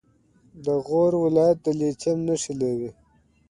د غور ولایت د لیتیم نښې لري.